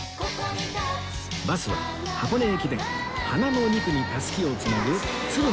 バスは箱根駅伝花の２区にたすきを繋ぐ鶴見